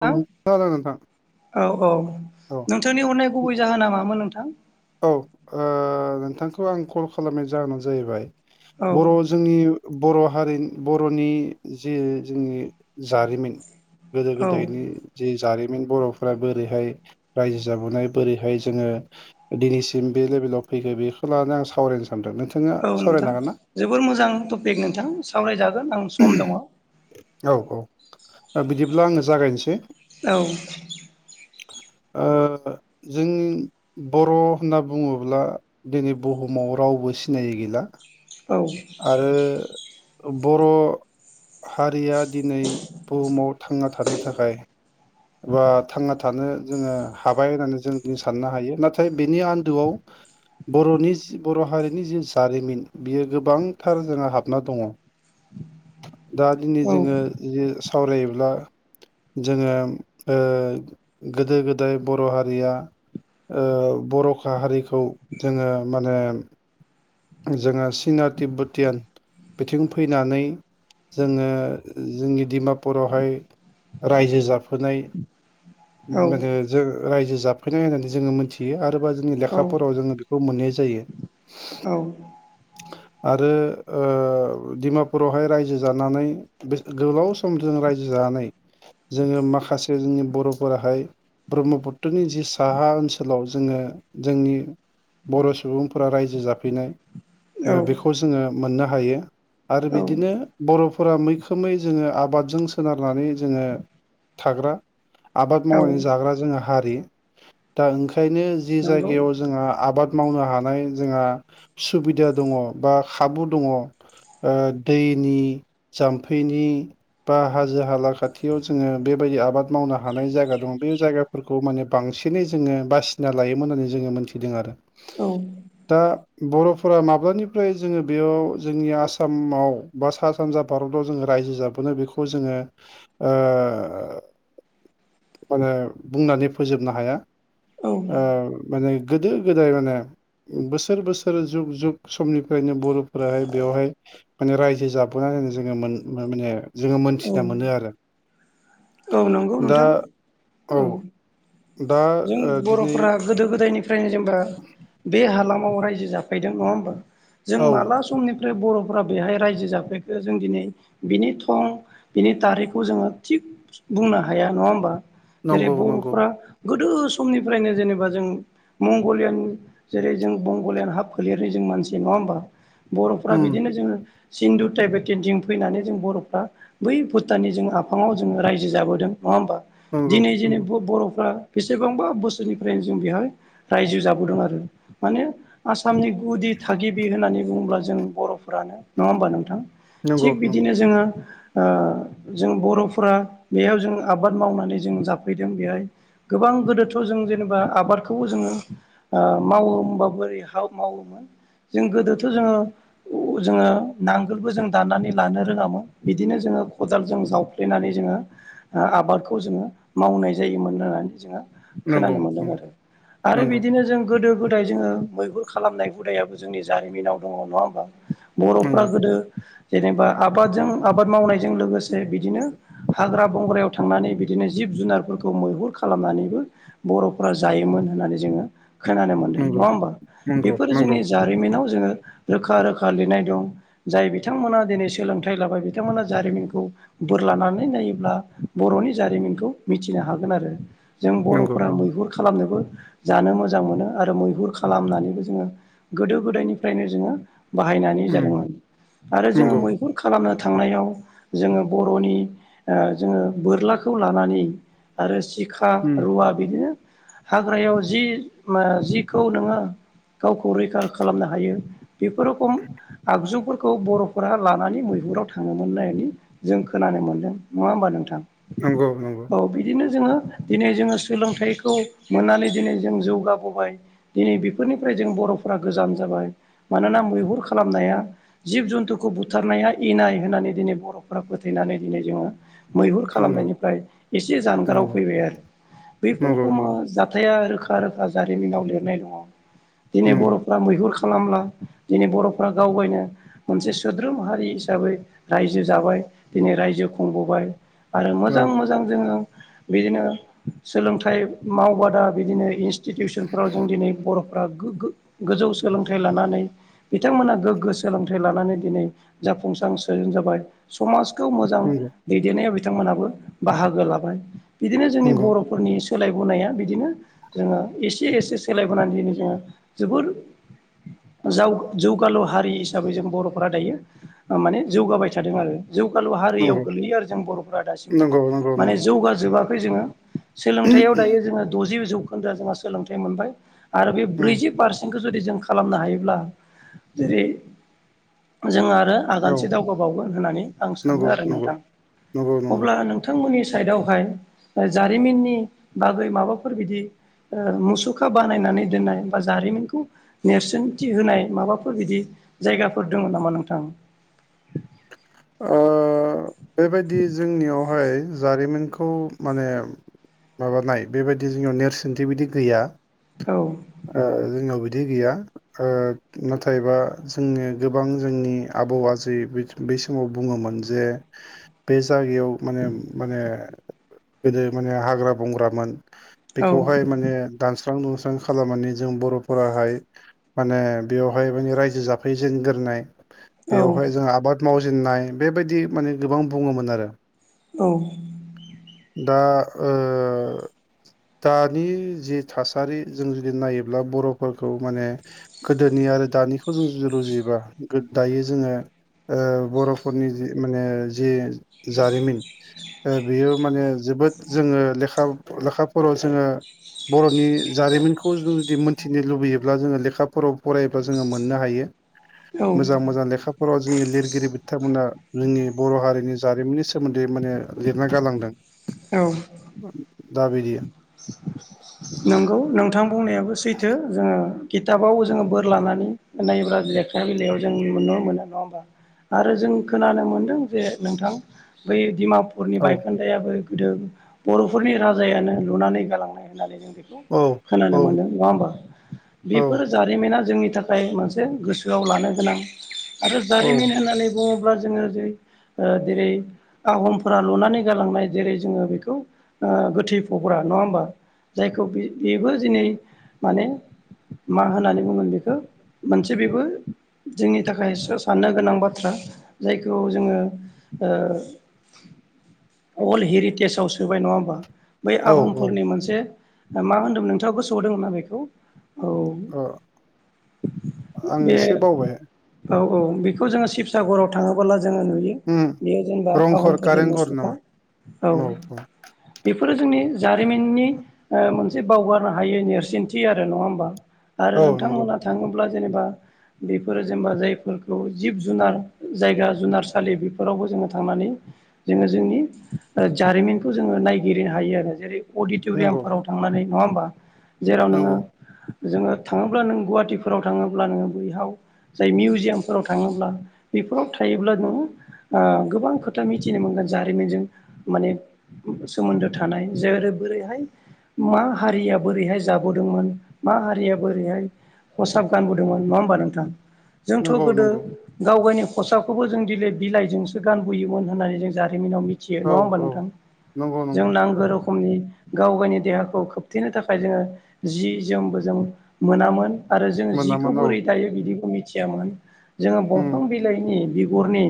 जागोन थां नोंथां औ औ औ नोंथांनि हरनाय गुबै जाहोन ना मामोन नोंथां? औ ओ नोंथांखौ आं कल खालामनाय जाहोनानो जाहैबाय औ बर' जोंनि बर' हारिन बर'नि जे जोंनि जारिमिन। गोदो औ गोदायनि जि जारि बर'फोरा बोरैहाय रायजो जाबोनाय बोरैहाय जोङो दिनैसिम बे लेभेलाव फैखो बेखौ लाना आं सावरायनोसै। औ नोंथां जोबोर मोजां टपिक नोंथां सावरायजागोन आं सम दङ। औ औ ओ बिदिब्ला आङो जागायनोसै। औ। ओ जों बर' होनना बुङोब्ला दिनै बुहुमाव रावबो सिनायै गैला। औ आरो बर' हारिया दिनै बुहुमाव थांना थानो थाखाय बा थांना थानो जोङो हाबाय होननानै जों दिनै साननो हायो नाथाय बेनि आन्दोआव बर' नि जि बर' हारिनि जि जारिमिन बियो गोबांथार जोंहा हाबना दङ। दा दिनै औ जोङो सावरायोब्ला जोङो ओ गोदो गोदाय बर' हारिया ओ बरखा हारिखौ जोङो माने जोङो चिना तिब्बुतियान बिथिं फैनानै जोङो जोंनि डिमापुरावहाय रायजो जाफोनाय औ [unintelligible] रायजो जाफैनाय होननानै जोङो मोनथियो आरोबा जोंनि औ लेखाफोराव जोङो बेखौ मोननाय जायो। औ [inaudible] आरो ओ डिमापुरावहाय रायजो जानानै बे गोलाव सम जोङो रायजो जानानै जोङो माखासे जोंनि बर' फोराहाय ब्रह्मपुत्रनि जि साहा ओनसोलाव जोङो जोंनि बर' सुबुंफोरा रायजो जाफैनाय ओ बेखौ जोङो मोननो हायो। आरो औ बिदिनो बर'फोरा मैखोमै जोङो आबादजों सोनारनानै जोङो थाग्रा। आबाद औ मावनानै जाग्रा जोंहा हारि दा ओंखायनो जि नंगौ जायगायाव जोंहा आबाद मावनो हानाय जोंहा सुबिदा दङ बा खाबु दङ' ओ दैनि जाम्फैनि बा हाजो हाला खाथियाव जोङो बेबायदि आबाद मावनो हानाय जायगा दङ बे जायगाफोरखौ माने बां बसेनै जोङो बासिना लायोमोन होननानै जोङो मोनथिदों आरो औ दा बर'फोरा माब्लानिफ्राय जोङो बेयाव जोंनि आसामाव बा सा सानजा भारताव जोङो राज्यो रायजो जाबोनो बेखौ जोङो माने बुंनानै फोजोबनो हाया। औ ओ माने गोदो गोदाय माने बोसोर बोस स जुग जुग समनिफ्रायनो बर फोराहाय बेवहाय माने रायजो जाबोनायनानै जोङो माने जोङो औ मोनथिना मोनो आरो। औ नंगौ दा नोंथां औ दा जों ओ बर' दिनै फ्रा गोदो गोदायनिफ्रायनो जेनेबा बे हालामाव रायजो जाफैदों नङा होमबा जों औ माला समनि आरो बर फ्रा बेहाय रायजो जाफैखो जों दिनै बिनि थं बिनि टारिखखौ जोङो थिग बुंनो हाया नङा होमबा जेरै नंगौ नंगौ बरफ्रा गोदो समनिफ्रायनो जेनेबा जों मंगलियान जेरै जों मंगलियान हाब फोलेर जों मानसि नङा होमबा बर फ्रा उम बिदिनो जोङो सिन्न्दु टाइपेटेनटिं फैनानै जों बर फ्रा बै भुटाननि जों आफाङाव जोङो रायजो जाबोदों नङा होमबा नंगौ दिनै जोंनि नंगौ बर फ्रा बेसेबांबा बोसोरनिफ्रायनो जों बेहाय रायजो जाबोदों आरो माने आसाम आसामनि गुदि थागिबि होननानै बुङोब्ला जों बर फोरानो नङा होमबा नोंथां थिग नंगौ बिदिनो जोङो जों बर फोरा बेयाव जों आबाद मावनानै जों जाफैदों बेहाय गोबां गोदोथ' जों जेनेबा आबादखौबो ओ‌ जोङो ओ मावो होनोमबा बोरै मावोमोन जों गोदोथ जोङो जोङो नांगोलबो जों ओ दानानै लानो रोङामोन बिदिनो जोङो खदालजों जावफ्लेनानै जोङो आबादखौ जोङो मावनाय जायोमोन होननानै जोङो नंगौ खोनानो मोनदों नंगौ आरो आरो नंगौ बिदिनो जों गोदो गोदाय जोङो मैहुर खालामनाय हुदायाबो जोंनि जारिमिनाव दङ नङा होमबा बर'फ्रा नंगौ गोदो जेनेबा आबादजों आबाद मावनायजों लोगोसे बिदिनो हाग्रा बंग्रायाव थांनानै बिदिनो जिब जुनारफोरखौ मैहुर खालामनानैबो बरफोरा जायोमोन होन होननानै जोङो खोनानो मोनदों नङा नंगौ होमबा नंगौ बेफोरो नंगौ जोंनि जारिमिनाव जोङो रोखा रोखा लिरनाय दं जाय बिथांमोना दिनै सोलोंथाइ लाबाय बिथांमोना जारिमिनखौ बोर लानानै नाय ना बरनि जारिमिनखौ मिथिनो हागोन आरो जों नंगौ बरफोरा नंगौ मैहुर खालामनोबो जानो मोजां मोनो आरो मैहुर खालामनानैबो जोङो गोदो गोदायनिफ्रायनो जोङो बाहायनानै उम जादोंमोन आरो जोङो नंगौ मैहुर खालामनो थांनायाव जोङो बर' नि जोङो बोरलाखौ लानानै आरो सिखा उम रुवा बिदिनो हाग्रायाव जि जिखौ नोङो गावखौ रैखा खालामनो हायो बेफोर रखम आगजुफोरखौ बर फोरा लानानै मैहु दुराव थाङोमोन नायनायनि जों खोनानो मोनदों नङा होमबा नोंथां नंगौ नंगौ। औ बिदिनो जोङो दिनै जोङो सोलोंथाइखौ मोननानै दिनै जों जौगाबोबाय दिनै बेफोरनिफ्राय जों बर फोरा गोजान जाबाय मानोना मैहुर खालामनाया जिब जुन्थुखौ बुथारनाया ए इनाय होननानै दिनै बरफ फोथायनानै दिनै जोङो मैहुर नंगौ खालामनायनिफ्राय एसे जानगाराव नंगौ फैबाय आरो नंगौ बैफोरखमा जाथाया आरो रोखा रोखा जारिमिनाव लिरनाय दङ दिनै नंगौ बर फ्रा मैहुर खालामला दिनै बर'फ्रा गावबायनो मोनसे सोद्रोम हारि हिसाबै रायजो जाबाय दिनै रायजोखौ खुंबोबाय आरो नंगौ मोजां मोजां जोङो बिदिनो सोलोंथाइ मावबादा बिदिनो इनस्टिटिउसनफ्राव जों दिनै बरफ्रा गोगो गोजौ सोलोंथाइ लानानै बिथांमोना गोग्गो सोलोंथाइ लानानै दिनै जाफुंसार सोद्रोम जाबाय समाजखौ खौ मोजां औ दैदेननायाव बिथांमोनाबो बाहागो लाबाय बिदिनो जोंनि नंगौ नंगौ बर'फोरनि सोलायबोनाया बिदिनो जोङो एसे एसे सोलायबोनानै दिनै जोङो जोबोर जौगालु हारि हिसाबै जों बर'फोरा दायो माने जौगाबाय थादों आरो जौगालु हारियाव नंगौ गोलैयो आरो जों बर'फोरा दासिमबो नंगौ नंगौ माने नंगौ जौगाजोबाखै जोङो सोलोंथायाव दायो जोङो दजि जौखोन्दोआ जोंहा सोलोंथाइ मोनबाय आरो बे उम ब्रैजि पारसेन्ट बेफोरखौ जुदि जों खालामनो हायोब्ला जेरै जों औ नंगौ आगानसे दावगा बावगोन होननानै आं सानो आरो नंगौ नोंथां नंगौ नंगौ अब्ला नोंथांमोननि साइडआवहाय जारिमिननि बागै माबाफोर बिदि मुसुखा बानायनानै दोननाय बा जारिमिनखौ नेरसोनथि होनाय माबाफोर बिदि जायगाफोर दङ नामा नोंथां ओ बेबायदि जोंनियावहाय जारिमिन बे खौ माने माबानाय बेबायदि जोंनियाव नेरसोनथि बिदि गैया औ ओ जोंनाव बिदि दै गौया नाथायबा जों गोबां जोंनि आबौ आयै समाव बुङोमोन जे बे जायगायाव माने माने गोदो माने हाग्रा बंग्रामोन औ बेखौहाय माने दान्स सुस्रां दुंस्रां खालामनानै जों बर फोराहाय माने बेवहाय माने रायजो जाफैजेनग्रोनाय औ बेवहाय जों आबाद मावजेननाय बेबायदि माने गोबां बुङोमोन आरो औ दा ओ दानि जि थासारि जों जुदि नायोब्ला बरफोरखौ माने गोदो जोंनि आरो दानिखौ जों जुदि रुजुयोबा दायो जोङो ओ बर'फोरनि जि माने जि जारिमिन ओ बेयो माने जोबोद जों जोङो लेखा लेखाफोराव जोङो बर'नि जारिमिनखौ जों जुदि मोन्थिनो लुबैयोब्ला जोङो लेखाफोराव फरायोब्ला जोङो मोननो हायो। मोजां- मोजां लेखाफोराव जोंनि लिरगिरि बिथांमोना जोंनि बर' हारिनि जारिमिननि सोमोन्दै माने लिरना गालांदों औ दा बिदिया नंगौ नोंथां बुंनायाबो सैथो जोङो खिथाबाव जोङो बोर लानानै नायोब्ला लेखा बिलाइायाव जों नुनो मोनो नङा होमबा आरो जों खोनानो मोनदों जे नोंथां बै दिमा औ बायखोन्दायाबो गोदो बर'फोरनि राजायानो लुनानै गालांनाय होननानै जों औ खोनानो औ मोनदों नङा होमबा औ बेफोर जारिमिना जोंनि थाखाय मोनसे गोसोआव लानो गोनां आरो औ जारिमिन होननानै बुङोब्ला ब्ला जोङो जै जेरै आहमफोरा लुनानै गालांनाय जेरै जोङो बेखौ गोथै गग्रा नङा होमबा जायखौ बे बेबो दिनै माने मा होननानै बुंगोन बेखो मोनसे बेबो जोंनि थाखाय साननो गोनां बाथ्रा जायखौ जोङो ओ [inaudible] अल्ड हेरिटेजाव सोबाय नङा होमबा बै औ आहमफोरनि मोनसे मा होन्दों नोंथाङा गोसोआव दोंङोना बेखौ औ अ आं बे एसे बावबाय। औ- औ बेखौ जोङो शिबसागराव थाङोबोला जा नुयो उम बेयो जेनेबा रंघर आहमफोरनि कारेंघर मुसखा नामा औ बेफोरो जोंनि जारिमिननि मोनसे बावगारनो हायै नेरसोनथि आरो नङा होमबा आरो औ नंगौ नोंथांमोना थाङोब्ला जेनेबा बेफोरो जेनेबा जायफोरखौ जिब जुनार जायगा जुनारसालि बेफोरावबो जोङो थांनानै जोङो जोंनि जारिमिनखौ जोङो नाय गेलेनो हायो आरो जेरै नंगौ अडिट'रियामफोराव थांनानै नङा होमबा जेराव नोङो नंगौ जोङो थाङोब्ला नों गुवाहाटिफोराव थाङोब्ला नोङो बैहाव जाय मिउजियामफोराव थाङोब्ला बेफोराव थायोब्ला नोङो गोबां खोथा मिथिनो मोनगोन जारिमिनजों माने सोमोन्दो थानाय जेरै बोरैहाय? मा हारिया बोरैहाय जाबोदोंमोन। मा हारिया बोरैहाय खसाब गानबोदोंमोन नङा होमबा नोंथां जोंथ' नंगौ गोदो नंगौ गाव गावनि खसाबखौबो जों दिनै बिलाइजोंसो गानबोयोमोन होननानै जों जादों बिनि उनाव मिथियो औ नङा होमबा औ नोंथां नंगौ जों नंगौ नांगौ रो रोखनि गाव गायनि देहाखौ खोबथेनो थाखाय जोङो जि जोमबो जोम मोनामोन? आरो जों जिखौ मोनामोन औ बोरै थायो बिदिखौ मिथियामोन जोङो उम बंफं बिलाइनि बिगुरनि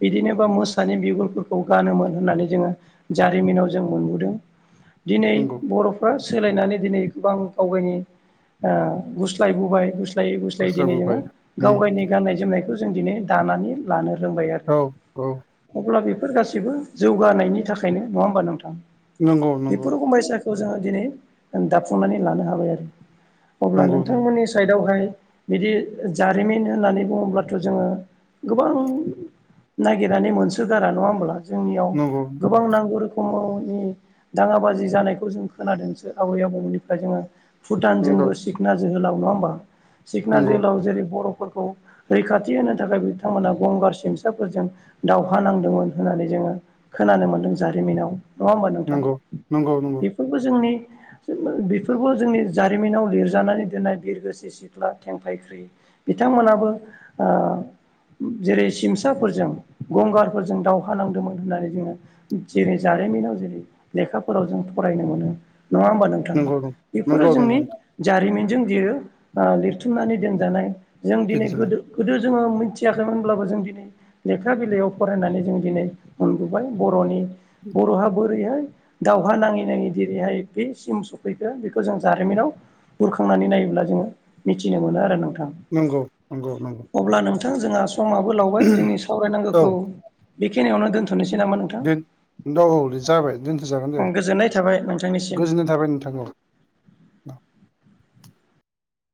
बिदिनो बा मोसानि बिगुरफोरखौ गानोमोन होननानै जोङो जारिमिनाव जों मोनबोदों दिनै नंगौ बर'फ्रा सोलायनानै दिनै गोबां गावगायनि ओ गुस्लायबोबाय गुस गुस्लायै गुस्लायै दिनै जोङो गुस्लाबोबाय गाव उम गायनि गाननाय जोमनायखौ जों दिनै दानानै लानो फोरोंबाय औ औ आरो अब्ला बेफोर गाससिबो जौगानायनि थाखायनो नङा होमबा नोंथां? नंगौ नंगौ। खौ जोङो दिनै दाफुंनानै लानो हाबाय आरो अब्ला नंगौ नोंथांमोननि साइडआवहाय बिदि जारिमिन होननानै बुङोब्लाथ' जोङो गोबां नागिरनानै मोनसो गारा नङा होमब्ला? जोंनियाव नंगौ गोबां नांगौ रोखोमाव दाङा बाजि जानायखौ जों खोनादोंसो आबै आबौमोननिफ्राय जोङो भुटानजोंबो नंगौ सिखना जोहोलाव नङा होमबा? सिखना नंगौ जोहोलाव जेरै बर' रैखाथि होनो थाखाय बिथांमोना गंगार सिमसाफोरजों दावहा नांदोंमोन होननानै जों ओ खोनानो मोनदों जारिमिनाव नङा होमबा नोंथां? नंगौ नंगौ बेफोरबो जोंनि बेफोरबो जोंनि जारिमिनाव लिरजानानै दोननाय बिरगोस्रि सिख्ला थेंफायख्रि बिथांमोनाबो ओ जेरै सिमसाफोरजों गंगारफोरजों दावहा नांदोंमोन होननानै जोङो जेरै जारिमिनाव जेरै लेखाफोराव जों फरायनो मोनो। नङा होमबा नोंथां नंगौ बे? फोरो नंगौ नंगौ जोंनि जारिमिन। लिरथुमनानै दोनानाय जों दिनै बिदिनो गोदो जोङो मिथियाखैमोनब्लाबो जों दिनै लेखा बिलाइयाव फरायनानै जों दिनै मोनबोबाय बर'नि बर' हाब बोरैहाय दावहा नाङै नाङै जेरैहाय बे सिम सफैखो बेखौ जों जारिमिनाव बुरखांनानै नायोब्ला जोङो मिथिनो मोनो आरो नोंथां। नंगौ -नंगौ- नंगौ। अब्ला जोंहा समाबो लावबाय जोंनि औ सावरायनांगौखौ बेखिनियावनो दोनथ'नो दोनथ'नोसै नामा नोंथां? दोन औ औ जाबाय दोनथ'जागोन दे औ गोजोननाय थाबाय नोंथांनिसिम गोजोननाय थाबाय नोंथां औ।